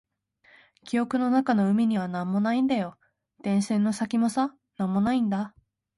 記憶の中の海には何もないんだよ。電線の先もさ、何もないんだ。